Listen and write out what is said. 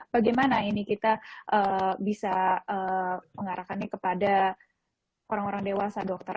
bagaimana ini kita bisa mengarahkannya kepada orang orang dewasa dokter